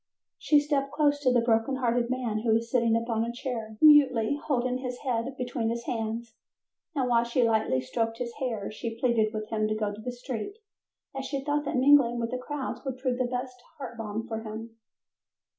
She stepped close to the broken hearted man, who was sitting upon a chair, mutely holding his head between his hands, and while she lightly stroked his hair she pleaded with him to go to the street, as she thought that mingling with the crowds would prove the best heart balm for him.